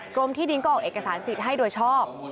กรมที่ดินก็ออกเอกสารสิทธิ์ให้โดยชอบ